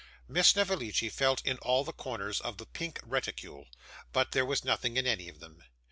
Miss Snevellicci felt in all the corners of the pink reticule, but there was nothing in any of them.